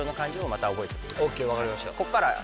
ＯＫ分かりました。